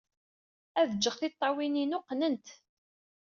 Ad jjeɣ tiṭṭawin-inu qqnent.